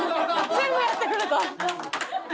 全部やってくれた。